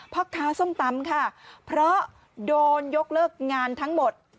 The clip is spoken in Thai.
พ่อค้าส้มตำค่ะเพราะโดนยกเลิกงานทั้งหมด